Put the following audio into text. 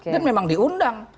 dan memang diundang